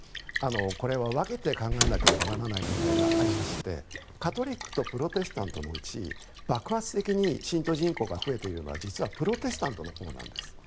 これは分けて考えなければならない問題がありましてカトリックとプロテスタントのうち爆発的に信徒人口が増えているのは実はプロテスタントのほうなんです。